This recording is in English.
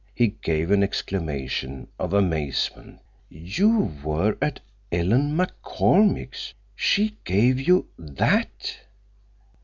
He gave an exclamation of amazement. "You were at Ellen McCormick's! She gave you—_that!